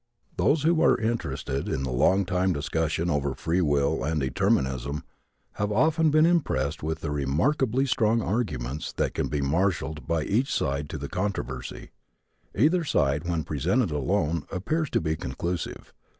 Those who are interested in the long time discussion over free will and determinism have often been impressed with the remarkably strong arguments that can be marshaled by each side to the controversy. Either side, when presented alone, appears to be conclusive.